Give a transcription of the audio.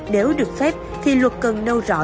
nếu được phép thì luật cần nâu rõ